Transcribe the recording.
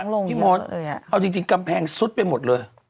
ลงอยู่พี่โมสเอาจริงจริงกำแพงซุดไปหมดเลย